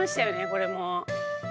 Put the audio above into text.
これも。